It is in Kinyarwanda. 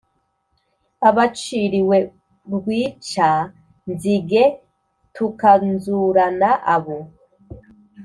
abaciriwe rwica-nzige tukanzurana abo